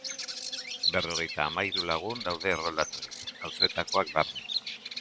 Berrogeita hamahiru lagun daude erroldaturik, auzoetakoak barne.